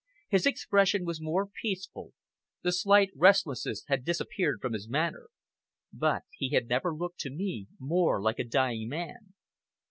His expression was more peaceful, the slight restlessness had disappeared from his manner. But he had never looked to me more like a dying man.